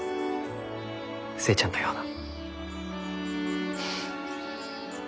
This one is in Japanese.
寿恵ちゃんのような。